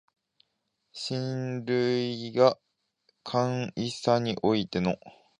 親鸞が「歎異抄」においての